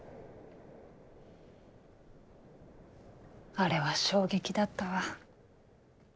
あれは衝撃だったわ。